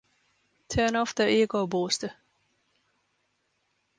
Turn off the ego booster.